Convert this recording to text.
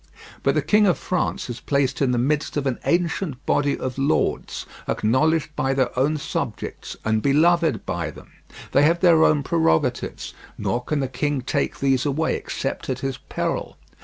But the King of France is placed in the midst of an ancient body of lords, acknowledged by their own subjects, and beloved by them; they have their own prerogatives, nor can the king take these away except at his peril.